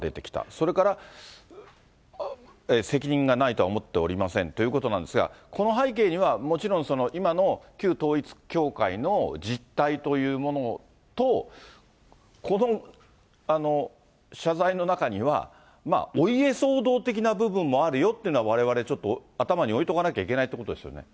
それから責任がないとは思っておりませんとのことなんですが、この背景にはもちろん、今の旧統一教会の実態というものと、この謝罪の中には、お家騒動的な部分もあるよってのは、われわれちょっと、頭に置いておかないといけないということですよね。